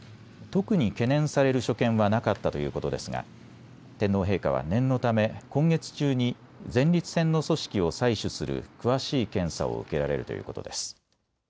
特に懸念される所見はなかったということですが天皇陛下は念のため今月中に前立腺の組織を採取する詳しい検査を受けられるということです。